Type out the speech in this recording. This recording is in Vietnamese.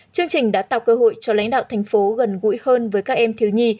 chương trình đã tạo cơ hội cho lãnh đạo tp hcm gần gũi hơn với các em thiếu nhi